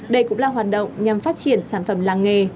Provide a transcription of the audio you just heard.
đây cũng là hoạt động nhằm phát triển sản phẩm làng nghề